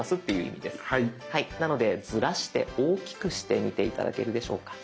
なのでズラして大きくしてみて頂けるでしょうか。